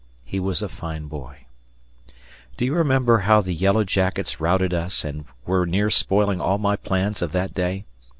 He was a fine boy. Do you remember how the yellow jackets routed us, and were near spoiling all my plans of that day?